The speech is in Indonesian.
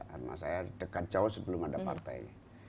karena saya dekat jauh sebelum ada partai